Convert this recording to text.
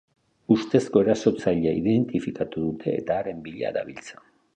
Ustezko erasotzailea identifikatu dute eta haren bila dabiltza.